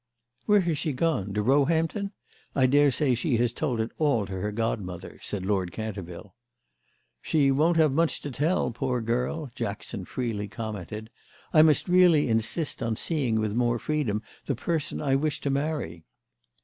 "Where has she gone—to Roehampton? I daresay she has told it all to her godmother," said Lord Canterville. "She won't have much to tell, poor girl!" Jackson freely commented. "I must really insist on seeing with more freedom the person I wish to marry."